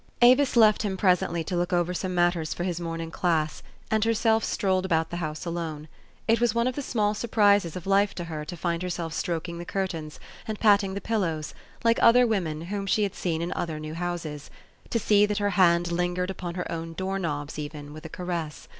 Avis left him presently to look over some matters for his morning class, and herself strolled about the house alone. It was one of the small surprises of life to her to find herself stroking the curtains, and patting the pillows, like other women whom she had seen in other new houses ; to see that her hand lin gered upon her own door knobs even, with a caress.